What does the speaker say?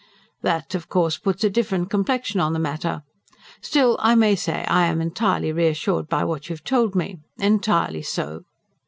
"That, of course, puts a different complexion on the matter. Still, I may say I am entirely reassured by what you have told me entirely so.